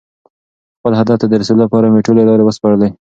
خپل هدف ته د رسېدو لپاره مې ټولې لارې وسپړلې.